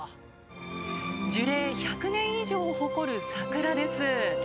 樹齢１００年以上を誇る桜です。